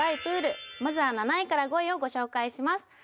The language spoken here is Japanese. プールまずは７位から５位をご紹介します